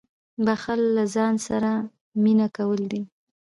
• بښل له ځان سره مینه کول دي.